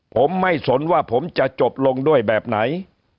ผมไม่สนว่าผมจะจบลงด้วยแบบไหน